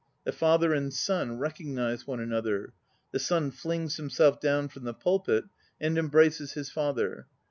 The father and son recognize one another. The son flings him self down from the pulpit and embraces his father.